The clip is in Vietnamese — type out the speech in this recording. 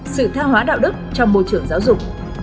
sự tha hóa đạo đức trong môi trường giáo dục